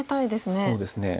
そうですね。